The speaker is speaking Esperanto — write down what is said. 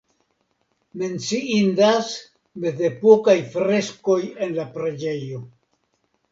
Menciindas mezepokaj freskoj en la preĝejo.